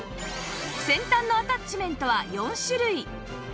先端のアタッチメントは４種類